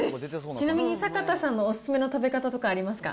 ちなみに坂田さんのお勧めの食べ方とかありますか？